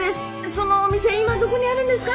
そのお店今どこにあるんですか？